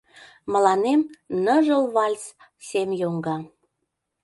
Мыланем ныжыл вальс сем йоҥга.